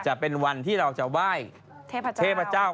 จะเป็นวันที่เราจะไหว้เทพเจ้า